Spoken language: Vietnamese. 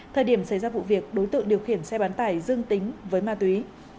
thời điểm xảy ra vụ việc đối tượng điều khiển xe bán tải dương tính với ma túy